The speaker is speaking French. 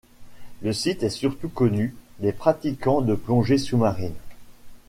Le site est surtout connu des pratiquants de plongée sous-marine.